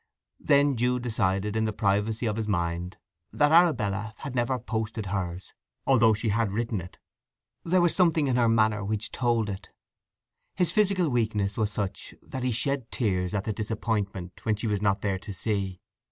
Then Jude decided in the privacy of his mind that Arabella had never posted hers, although she had written it. There was something in her manner which told it. His physical weakness was such that he shed tears at the disappointment when she was not there to see.